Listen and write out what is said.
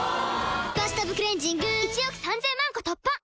「バスタブクレンジング」１億３０００万個突破！